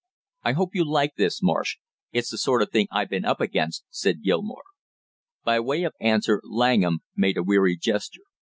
"I hope you like this, Marsh; it's the sort of thing I been up against," said Gilmore. By way of answer Langham made a weary gesture.